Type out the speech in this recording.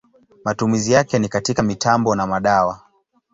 Matumizi yake ni katika mitambo na madawa.